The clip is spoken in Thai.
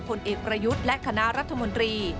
ผลเอกประยุทธ์และคณะรัฐมนตรี